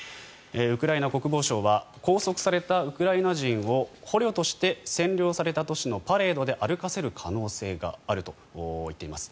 ウクライナ国防省は拘束されたウクライナ人を捕虜として占領された都市のパレードで歩かせる可能性があると言っています。